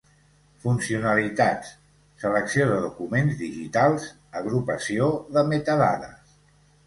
Funcionalitats: selecció de documents digitals; agrupació de metadades.